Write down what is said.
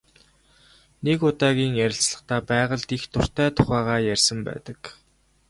Нэг удаагийн ярилцлагадаа байгальд их дуртай тухайгаа ярьсан байдаг.